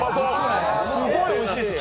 すごいおいしいんですよ！